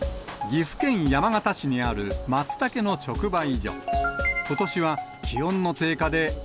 岐阜県山県市にあるマツタケの直売所。